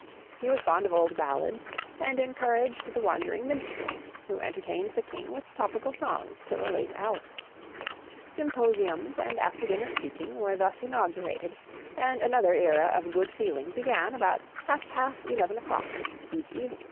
He was fond of old ballads, and encouraged the wandering minstrels, who entertained the king with topical songs till a late hour. Symposiums and after dinner speaking were thus inaugurated, and another era of good feeling began about half past eleven o'clock each evening.